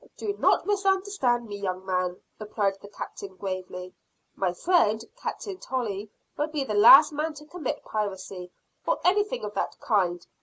"Do not misunderstand me, young man," replied the captain gravely. "My friend, Captain Tolley, would be the last man to commit piracy, or anything of that kind.